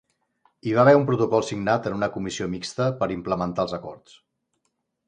Hi va haver un protocol signat en una Comissió Mixta per implementar els acords.